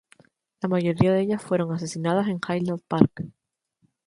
La mayoría de ellas fueron asesinadas en Highland Park.